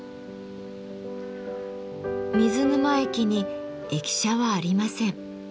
水沼駅に駅舎はありません。